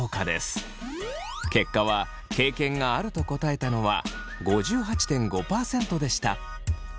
結果は経験があると答えたのは５８．５％でした。